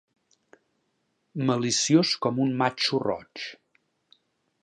Maliciós com un matxo roig.